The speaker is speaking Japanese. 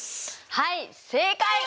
はい正解！